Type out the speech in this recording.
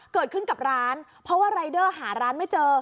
เกิดขึ้นกับร้านเพราะว่ารายเดอร์หาร้านไม่เจอ